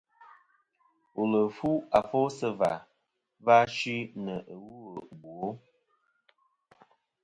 Wùl fu afo sɨ̀ và va suy nɨ̀ wu ɨ bwo.